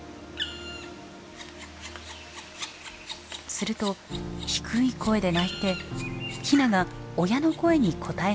すると低い声で鳴いてヒナが親の声に答え始めます。